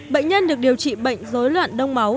bệnh nhân được điều trị bệnh dối loạn đông máu